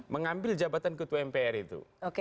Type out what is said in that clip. mengambil jabatan ketua mpr itu